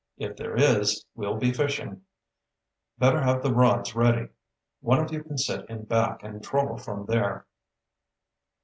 If there is, we'll be fishing. Better have the rods ready. One of you can sit in back and troll from there."